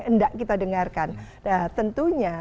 kita ingin dengarkan tentunya